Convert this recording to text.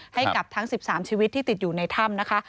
ให้กับทั้ง๑๓ชีวิตที่ติดอยู่ในถ้ำนะคะ